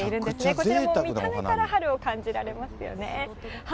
こちらも見た目から春を感じられますよね。